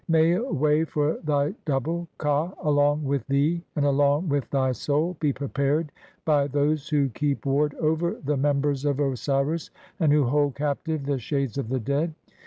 May a way for thy double (/ta) along "with thee and along with [thy] soul be prepared by those who "keep ward over the members of Osiris, and who hold captive "(12) the shades of the dead.